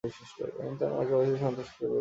তিনি তার মাকে অবশেষে সন্তুষ্ট করতে পেরেছিলেন।